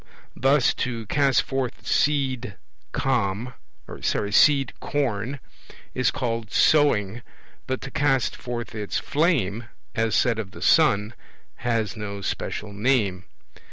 Thus to cast forth seed corn is called 'sowing'; but to cast forth its flame, as said of the sun, has no special name.